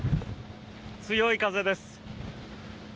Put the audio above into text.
強い風です。